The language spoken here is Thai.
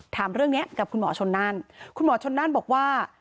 ถามเรื่องนี้กับคุณหมอชนนั่นคุณหมอชนนั่นบอกว่า